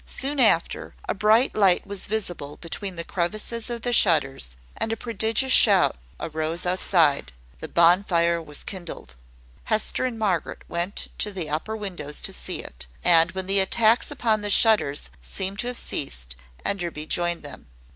Soon after, a bright light was visible between the crevices of the shutters, and a prodigious shout arose outside. The bonfire was kindled. Hester and Margaret went to the upper windows to see it; and when the attacks upon the shutters seemed to have ceased, Enderby joined them.